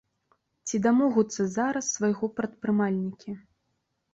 Ці дамогуцца зараз свайго прадпрымальнікі?